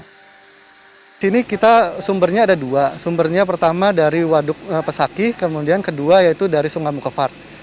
di sini kita sumbernya ada dua sumbernya pertama dari waduk pesakih kemudian kedua yaitu dari sungai mukefat